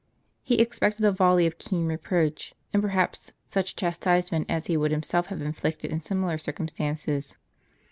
He expected a volley of keen reproach, and, perhaps, such chastisement as he would himself have inflicted in similar circumstances.